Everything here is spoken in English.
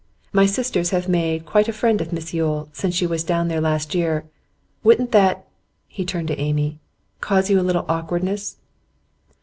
My sisters have made quite a friend of Miss Yule, since she was down there last year. Wouldn't that' he turned to Amy 'cause you a little awkwardness?